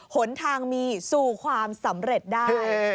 หนทางมีสู่ความสำเร็จได้